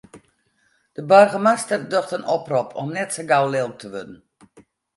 De boargemaster docht in oprop om net sa gau lilk te wurden.